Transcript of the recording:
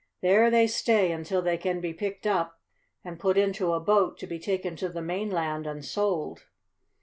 There they stay until they can be picked up and put into a boat to be taken to the mainland and sold."